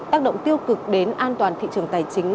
tác động tiêu cực đến an toàn thị trường tài chính